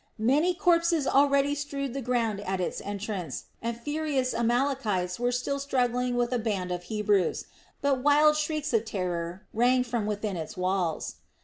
Many, corpses already strewed the ground at its entrance, and furious Amalekites were still struggling with a band of Hebrews; but wild shrieks of terror rang from within its walls.